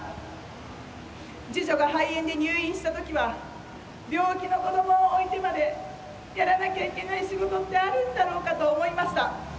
次女が肺炎で入院したときは病気の子どもを置いてまでやらなきゃいけない仕事ってあるんだろうかと思いました。